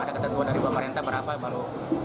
ada ketentuan dari pemerintah berapa baru